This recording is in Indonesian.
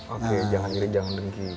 oke jangan irit jangan dengki